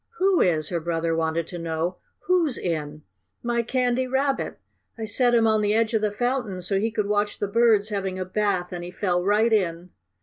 "Who is?" her brother wanted to know. "Who's in?" "My Candy Rabbit. I set him on the edge of the fountain so he could watch the birds having a bath, and he fell right in."